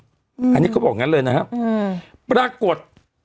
อันนี้เขาบอกอย่างนั้นเลยนะครับปรากฏ